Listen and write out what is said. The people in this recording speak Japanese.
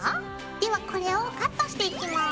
ではこれをカットしていきます。